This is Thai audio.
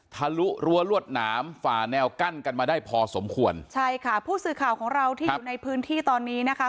ทะลุรั้วรวดหนามฝ่าแนวกั้นกันมาได้พอสมควรใช่ค่ะผู้สื่อข่าวของเราที่อยู่ในพื้นที่ตอนนี้นะคะ